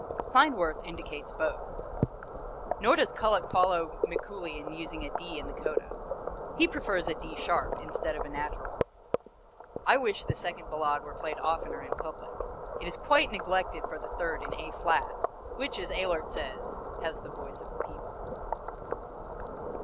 Klindworth indicates both. Nor does Kullak follow Mikuli in using a D in the coda. He prefers a D sharp, instead of a natural. I wish the second Ballade were played oftener in public. It is quite neglected for the third in A flat, which, as Ehlert says, has the voice of the people.